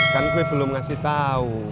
kan gue belum ngasih tahu